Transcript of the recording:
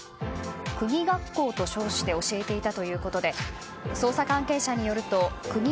くぎ学校と称して教えていたということで捜査関係者によるとくぎ